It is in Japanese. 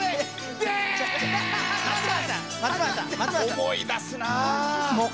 思い出すなあ。